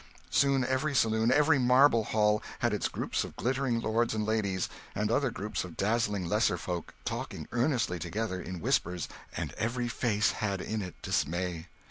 Soon every saloon, every marble hall, had its groups of glittering lords and ladies, and other groups of dazzling lesser folk, talking earnestly together in whispers, and every face had in it dismay.